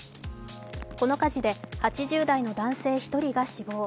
この火事で８０代の男性１人が死亡。